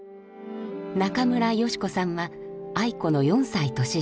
中村代詩子さんは愛子の４歳年下。